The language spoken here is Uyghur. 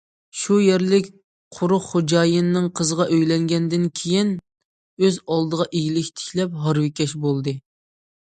شۇ يەرلىك قورۇق خوجايىنىنىڭ قىزىغا ئۆيلەنگەندىن كېيىن، ئۆز ئالدىغا ئىگىلىك تىكلەپ ھارۋىكەش بولدى.